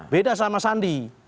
beda sama sandi